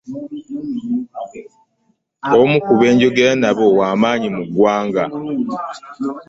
Omu ku be njogera nabo wa maanyi mu ggwanga.